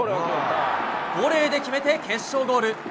ボレーで決めて決勝ゴール。